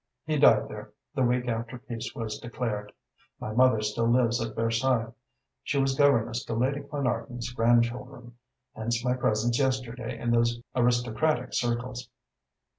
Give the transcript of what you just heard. He died there, the week after peace was declared. My mother still lives at Versailles. She was governess to Lady Clanarton's grandchildren, hence my presence yesterday in those aristocratic circles."